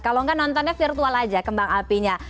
kalau nggak nontonnya virtual aja kembang apinya